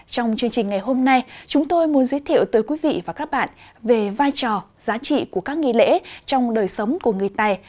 trong chương trình ngày hôm nay chúng tôi muốn giới thiệu tới quý vị và các bạn về vai trò giá trị của các nghi lễ trong đời sống của người tài